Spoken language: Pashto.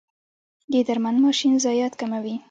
د درمند ماشین ضایعات کموي؟